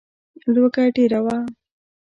لوږه ډېره وه.